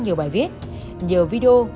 nhiều bài viết nhiều video